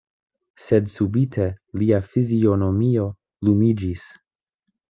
Sed subite lia fizionomio lumiĝis.